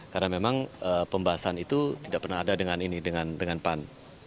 karena memang pembahasan itu tidak pernah ada dengan ini dengan pan